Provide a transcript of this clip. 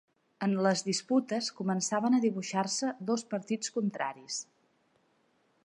En les disputes començaven a dibuixar-se dos partits contraris.